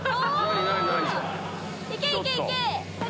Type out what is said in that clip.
行け行け行け！